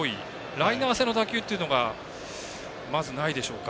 ライナー性の打球というのがまず、ないでしょうか。